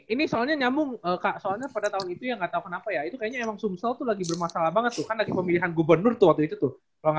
ini soalnya nyamuk soalnya pada tahun itu ya nggak tahu kenapa ya itu kayaknya emang sumsel tuh lagi bermasalah banget tuh kan lagi pemilihan gubernur tuh waktu itu tuh